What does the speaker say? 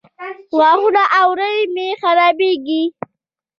غاښونه او اورۍ مې خرابې دي